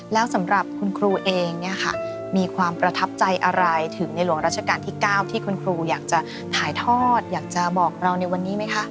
แล้วสำหรับคุณครูเองเนี่ยค่ะมีความประทับใจอะไรถึงในหลวงราชการที่๙ที่คุณครูอยากจะถ่ายทอดอยากจะบอกเราในวันนี้ไหมคะ